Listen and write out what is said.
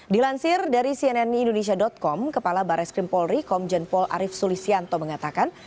dilansir dari cnn indonesia com kepala baris krim polri komjen pol arief sulisianto mengatakan